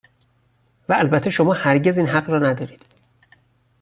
و البته شما هرگز این حق را ندارید